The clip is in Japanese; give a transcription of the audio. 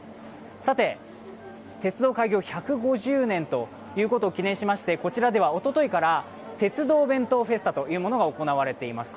さて、鉄道開業１５０年ということを記念しましてこちらでは、おとといから鉄道弁当フェスタというものが行われています。